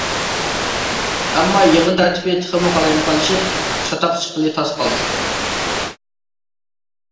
ئەمما يىغىن تەرتىپى تېخىمۇ قالايمىقانلىشىپ، چاتاق چىققىلى تاس قالدى.